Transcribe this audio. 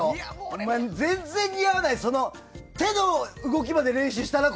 お前、全然似合わないその手の動きまで練習したな！